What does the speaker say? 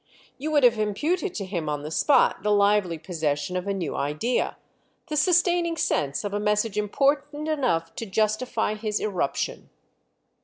You would have imputed to him on the spot the lively possession of a new idea, the sustaining sense of a message important enough to justify his irruption.